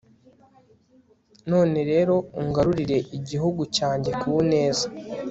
none rero, ungarurire igihugu cyanjye ku neza